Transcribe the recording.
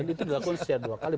itu dilakukan secara dua kali